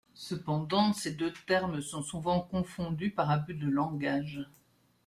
Cependant, ces deux termes sont souvent confondus par abus de langage.